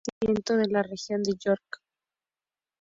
Es el asiento de la región de York.